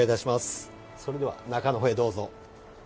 それでは中のほうにどうぞ。